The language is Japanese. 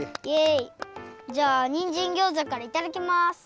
じゃあにんじんギョーザからいただきます。